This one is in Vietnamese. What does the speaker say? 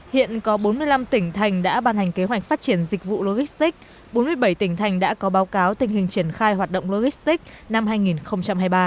hiện có bốn mươi năm tỉnh thành đã ban hành kế hoạch phát triển dịch vụ logistics bốn mươi bảy tỉnh thành đã có báo cáo tình hình triển khai hoạt động logistics năm hai nghìn hai mươi ba